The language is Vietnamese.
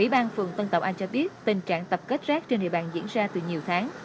ủy ban phường tân tạo an cho biết tình trạng tập kết rác trên địa bàn diễn ra từ nhiều tháng